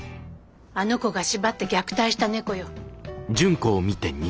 あの子が縛って虐待した猫よ。